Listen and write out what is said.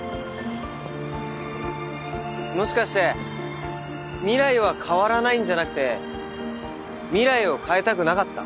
もしかして未来は変わらないんじゃなくて未来を変えたくなかった？